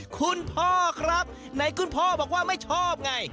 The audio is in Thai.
คุณพ่อครับไหนคุณพ่อบอกว่าไม่ชอบไง